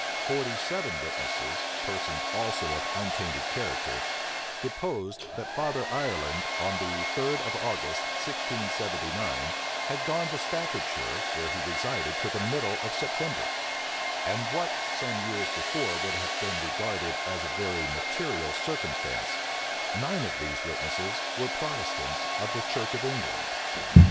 Forty seven witnesses, persons also of untainted character, deposed that Father Ireland, on the third of August, 1679, had gone to Staffordshire, where he resided till the middle of September; and, what some years before would have been regarded as a very material circumstance, nine of these witnesses were Protestants of the church of England.